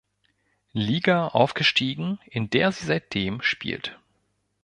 Liga aufgestiegen, in der sie seitdem spielt.